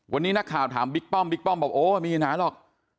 วันนี้นักข่าวถามบิ๊กป้อมบิ๊กป้อมบอกโอ้ไม่หนาหรอก